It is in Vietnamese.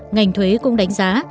ngành thuế cũng đánh giá